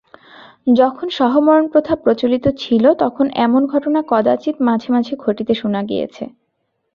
যখন সহমরণপ্রথা প্রচলিত ছিল, তখন এমন ঘটনা কদাচিৎ মাঝে মাঝে ঘটিতে শুনা গিয়াছে।